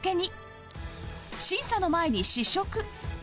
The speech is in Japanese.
審査の前に試食